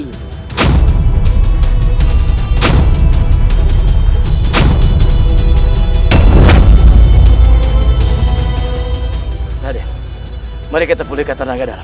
nah dan mari kita pulih ke tenaga dalam